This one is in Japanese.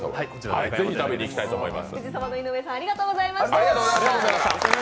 ぜひ食べに行きたいと思います。